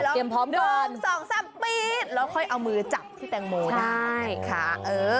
จับไว้แล้ว๑๒๓ปีนแล้วค่อยเอามือจับที่แตงโมได้ค่ะเออ